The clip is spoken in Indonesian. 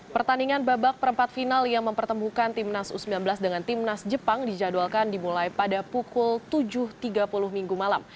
pertandingan babak perempat final yang mempertemukan timnas u sembilan belas dengan timnas jepang dijadwalkan dimulai pada pukul tujuh tiga puluh minggu malam